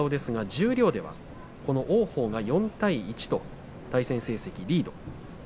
十両では王鵬が４対１と対戦成績リードしています。